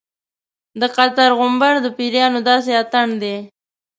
د قطر غومبر د پیریانو داسې اتڼ دی.